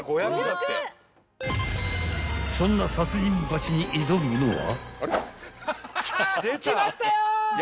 ［そんな殺人バチに挑むのは］